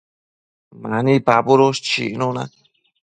Mani pabudush chicnuna